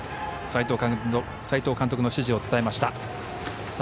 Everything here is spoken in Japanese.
斎藤監督の指示を伝えました。